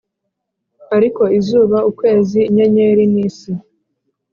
ariko izuba, ukwezi, inyenyeri n’isi